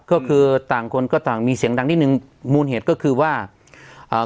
ก็คือต่างคนก็ต่างมีเสียงดังนิดนึงมูลเหตุก็คือว่าอ่า